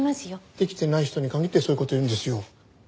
できてない人に限ってそういう事言うんですよ。